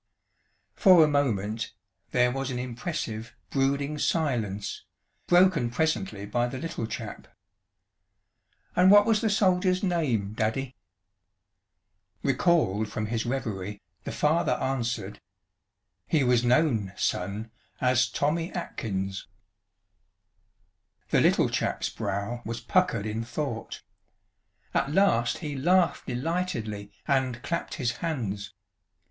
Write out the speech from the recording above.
For a moment there was an impressive, brooding silence, broken presently by the Little Chap. "And what was the soldier's name, Daddy?" Recalled from his revery, the father answered: "He was known, Son, as Tommy Atkins." The Little Chap's brow was puckered in thought. At last he laughed delightedly and clapped his hands.